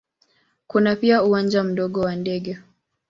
Kuna pia uwanja mdogo wa ndege.